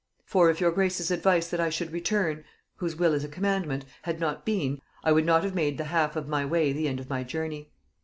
For if your grace's advice that I should return, (whose will is a commandment) had not been, I would not have made the half of my way the end of my journey.